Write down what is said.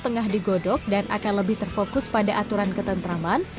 tengah digodok dan akan lebih terfokus pada aturan ketentraman